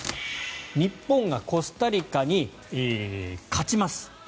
日本がコスタリカに勝ちます